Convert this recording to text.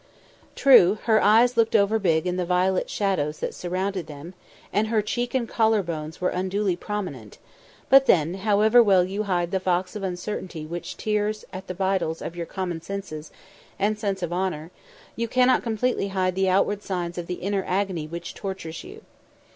True, her eyes looked over big in the violet shadows that surrounded them, and her cheek and collar bones were unduly prominent, but then, however well you hide the fox of uncertainty which tears at the vitals of your common sense and sense of humour, you cannot completely hide the outward signs of the inner agony which tortures you.